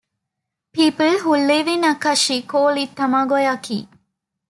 People who live in Akashi call it tamagoyaki.